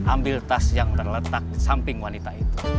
ambil tas yang terletak di samping wanita itu